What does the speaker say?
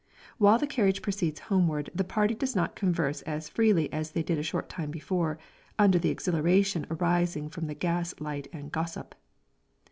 While the carriage proceeds homewards the party does not converse as freely as they did a short time before, under the exhilaration arising from gas light and gossip.